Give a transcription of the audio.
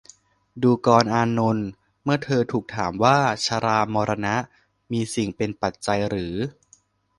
ดูกรอานนท์ เมื่อเธอถูกถามว่า ชรามรณะ มีสิ่งเป็นปัจจัยหรือ